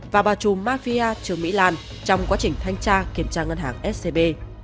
và bà chùm mafia trương mỹ lan trong quá trình thanh tra kiểm tra ngân hàng scb